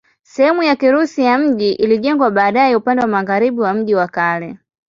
Sehemu ya Kirusi ya mji ilijengwa baadaye upande wa magharibi wa mji wa kale.